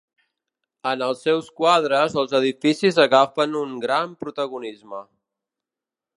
En els seus quadres els edificis agafen un gran protagonisme.